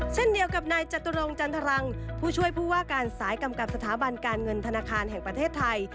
เช่นเดียวกับนายจตุรงจันทรังผู้ช่วยผู้ว่าการสายกำกับสถาบันการเงินธนาคารแห่งประเทศไทย